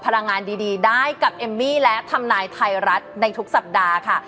พลังงานดีได้กับเอมมี่และทำนายไทยรัฐในทุกสัปดาห์ค่ะ